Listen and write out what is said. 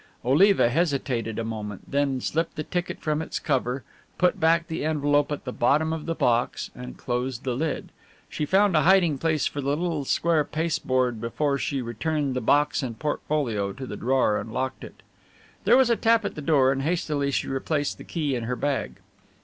Oliva hesitated a moment, then slipped the ticket from its cover, put back the envelope at the bottom of the box and closed the lid. She found a hiding place for the little square pasteboard before she returned the box and portfolio to the drawer and locked it. There was a tap at the door and hastily she replaced the key in her bag.